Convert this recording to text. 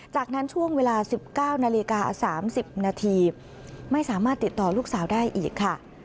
จากนั้นช่วงเวลา๑๙นาฬิกา๓๐นาทีไม่สามารถติดต่อลูกสาวได้อีกค่ะ